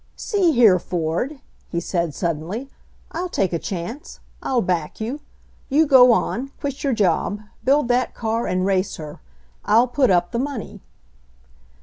"See here, Ford," he said suddenly : "I'll take a chance. I'll back you. You go on, quit your job, build that car and race her. I'll put up the money."